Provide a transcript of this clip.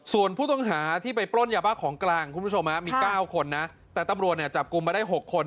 ส่วนผู้ต้องหาที่ไปปล้นยาบ้าของกลางคุณผู้ชมมี๙คนนะแต่ตำรวจเนี่ยจับกลุ่มมาได้๖คน